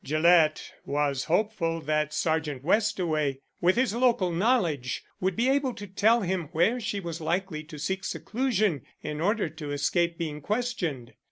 Gillett was hopeful that Sergeant Westaway, with his local knowledge, would be able to tell him where she was likely to seek seclusion in order to escape being questioned.